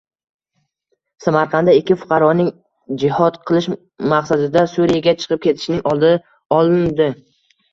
Samarqandda ikki fuqaroning jihod qilish maqsadida Suriyaga chiqib ketishining oldi olindi